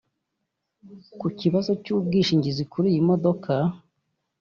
Ku kibazo cy’ubwishingizi kuri iyi modoka